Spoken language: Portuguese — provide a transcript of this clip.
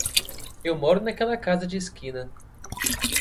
Eu moro naquela casa de esquina.